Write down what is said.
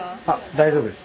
大丈夫です。